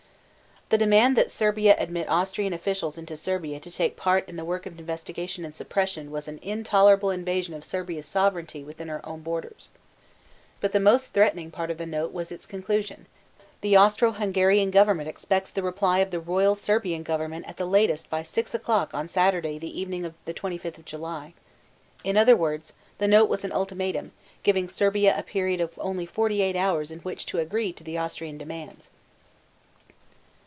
The demand that Serbia admit Austrian officials into Serbia to take part in the work of investigation and suppression was an intolerable invasion of Serbia's sovereignty within her own borders. But the most threatening part of the note was its conclusion: "The Austro Hungarian government expects the reply of the royal [Serbian] government at the latest by 6 o'clock on Saturday evening, the 25th of July." In other words, the note was an ultimatum giving Serbia a period of only forty eight hours in which to agree to the Austrian demands.